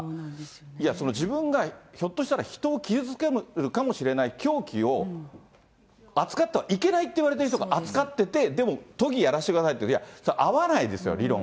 いや、自分がひょっとしたら人を傷つけるかもしれない凶器を、扱ってはいけないっていわれてる人が扱ってて、でも都議やらせてくださいって、いや、そうなんですよ。